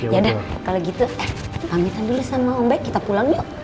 ya dak kalau gitu pamitan dulu sama om baik kita pulang yuk